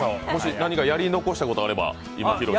何かやり残したことがあれば。